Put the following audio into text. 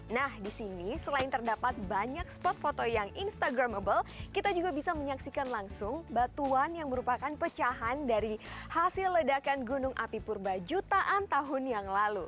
nah di sini selain terdapat banyak spot foto yang instagramable kita juga bisa menyaksikan langsung batuan yang merupakan pecahan dari hasil ledakan gunung api purba jutaan tahun yang lalu